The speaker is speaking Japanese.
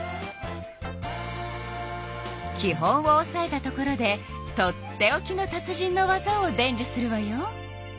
き本をおさえたところでとっておきの達人のわざを伝じゅするわよ！